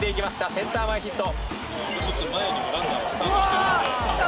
センター前ヒット。